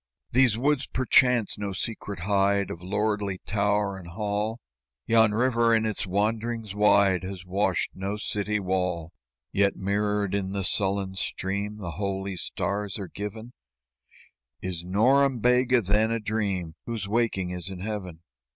"These woods, perchance, no secret hide Of lordly tower and hall; Yon river in its wanderings wide Has washed no city wall; "Yet mirrored in the sullen stream The holy stars are given: Is Norembega, then, a dream Whose waking is in Heaven?